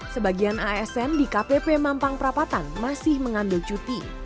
sebagian asn di kpp mampang perapatan masih mengambil cuti